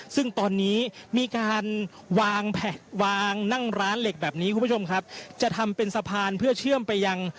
ซึ่งตอนนี้มีการวางแผนวางนั่งร้านเหล็กแบบนี้คุณผู้ชมครับจะทำเป็นสะพานเพื่อเชื่อมไปยัง